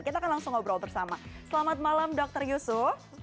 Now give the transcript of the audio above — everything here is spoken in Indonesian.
kita akan langsung ngobrol bersama selamat malam dr yusuf